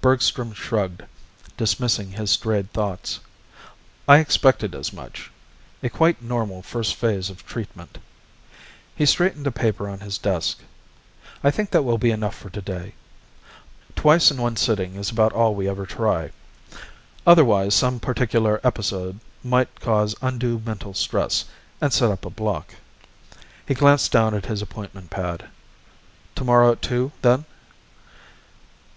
Bergstrom shrugged, dismissing his strayed thoughts. "I expected as much. A quite normal first phase of treatment." He straightened a paper on his desk. "I think that will be enough for today. Twice in one sitting is about all we ever try. Otherwise some particular episode might cause undue mental stress, and set up a block." He glanced down at his appointment pad. "Tomorrow at two, then?"